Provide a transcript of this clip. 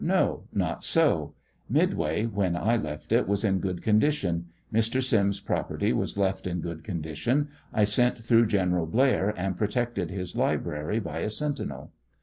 No ; not so ; Midway, when I left it, was in good condition ; Mr. Simms' property was left in good con dition ; I sent through General Blair and protected his library by a sentinel.